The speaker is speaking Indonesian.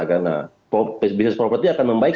karena bisnis properti akan membaik